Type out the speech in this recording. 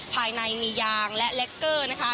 ภายในมียางและเล็กเกอร์นะคะ